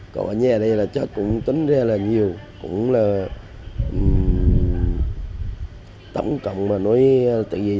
còn ở nhà đây là chết cũng tính ra là nhiều cũng là tổng cộng mà nói tự nhiên